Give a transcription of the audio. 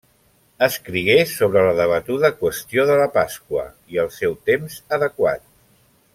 Escrigué sobre la debatuda qüestió de la Pasqua i el seu temps adequat.